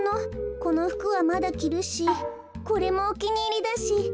このふくはまだきるしこれもおきにいりだし。